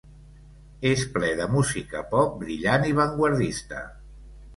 És ple de música pop brillant i vanguardista.